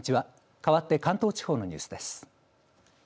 かわって関東地方のニュースです。